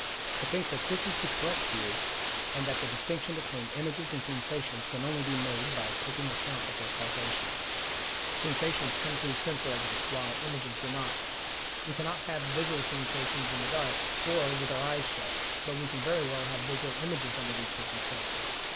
I think that this is the correct view, and that the distinction between images and sensations can only be made by taking account of their causation. Sensations come through sense organs, while images do not. We cannot have visual sensations in the dark, or with our eyes shut, but we can very well have visual images under these circumstances.